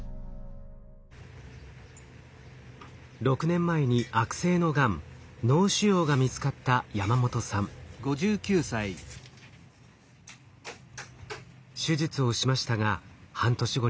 ６年前に悪性のがん脳腫瘍が見つかった手術をしましたが半年後に再発。